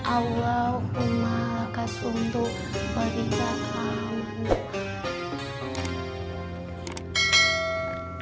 allahumma lakas untuk berikatlah